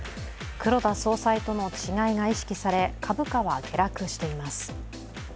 黒田総裁との違いが意識され株価は下落しています。